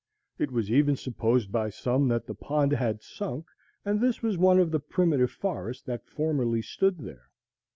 It was even supposed by some that the pond had sunk, and this was one of the primitive forest that formerly stood there.